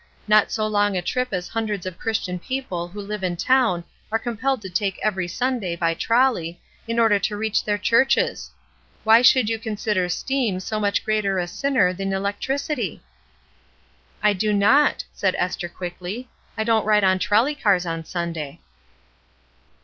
Not so long a trip as hundreds of Christian people who live in town are compelled to take every Sunday, by trolley, in order to reach their churches. Why should you consider steam so much greater a sinner than electricity?" "I do not," said Esther, quickly. "I don't ride on trolley cars on Sunday."